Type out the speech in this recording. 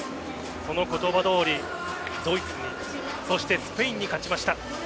その言葉どおりドイツにそしてスペインに勝ちました。